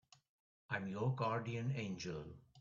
I'm your guardian angel.